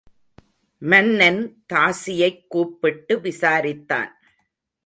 மன்னன் தாசியைக் கூப்பிட்டு விசாரித்தான்.